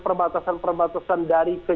perbatasan perbatasan dari ke